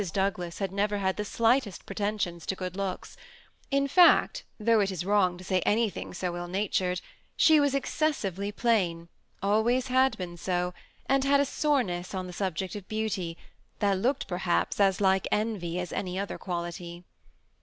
Douglas had never had the slightest pretensions to good looks ; in fact, though it is wrong to say anything so ill natured, she was excessively plain, always had been so, and had a soreness on the sub 1 8 THE SEMI ATTACHED COUPLE. ject of beauty, that looked perhaps as like envy as any other quality.